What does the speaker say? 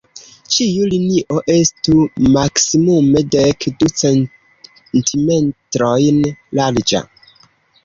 Ĉiu linio estu maksimume dek du centimetrojn larĝa.